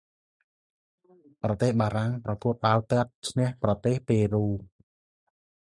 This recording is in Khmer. ប្រទេសបារាំងប្រកួតបាលទាត់ ឈ្នះប្រទេសប៉េរូ។